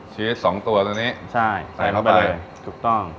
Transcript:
ชีส๒ตัวตัวนี้ใช่ใส่เข้าไปเลยถูกต้อง